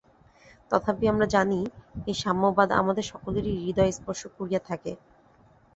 তথাপি আমরা জানি, এই সাম্যবাদ আমাদের সকলেরই হৃদয় স্পর্শ করিয়া থাকে।